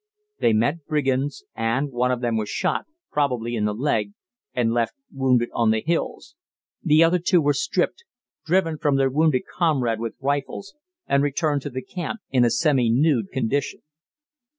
They met brigands, and one of them was shot, probably in the leg, and left wounded on the hills. The other two were stripped, driven from their wounded comrade with rifles, and returned to the camp in a semi nude condition.